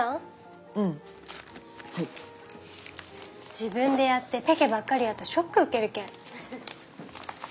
自分でやってペケばっかりやとショック受けるけん。